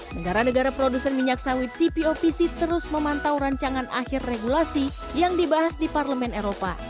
negara negara produsen minyak sawit cpopc terus memantau rancangan akhir regulasi yang dibahas di parlemen eropa